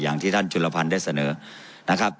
อย่างที่ท่านจุลพันธ์ได้เสนอนะครับ